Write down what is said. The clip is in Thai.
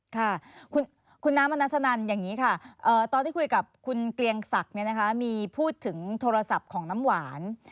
ค่ะคุณน้ำอนัสนันอย่างนี้ค่ะตอนที่คุยกับคุณเกลียงศักดิ์มีพูดถึงโทรศัพท์ของน้ำหวาน